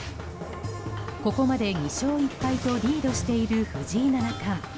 ここまで２勝１敗とリードしている藤井七冠。